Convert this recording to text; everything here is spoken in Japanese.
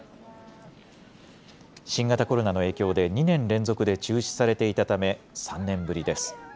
新型コロナの影響で、２年連続で中止されていたため、３年ぶりです。